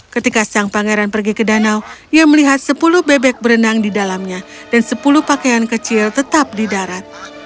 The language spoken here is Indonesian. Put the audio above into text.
ketika sang pangeran pergi ke danau ia melihat sepuluh bebek berenang di dalamnya dan sepuluh pakaian kecil tetap di darat